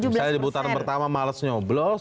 saya di putaran pertama males nyoblos